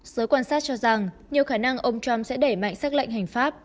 giới quan sát cho rằng nhiều khả năng ông trump sẽ đẩy mạnh xác lệnh hành pháp